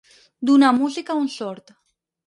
Donar música a un sord.